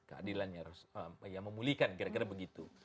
keadilan yang harus memulihkan kira kira begitu